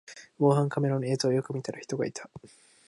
防犯カメラの映像をよく見たら人がいた